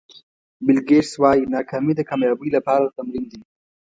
بیل ګېټس وایي ناکامي د کامیابۍ لپاره تمرین دی.